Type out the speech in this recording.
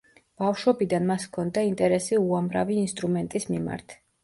ბავშვობიდან მას ჰქონდა ინტერესი უამრავი ინსტრუმენტის მიმართ.